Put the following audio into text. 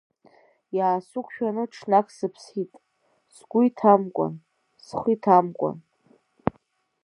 Иаасықәшәаны ҽнак сыԥсит, сгәы иҭамкәан, схы иҭамкәан.